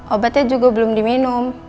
obatnya juga belum diminum